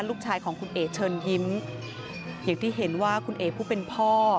ลูกชายของคุณเอ๋เชิญยิ้มอย่างที่เห็นว่าคุณเอ๋ผู้เป็นพ่อ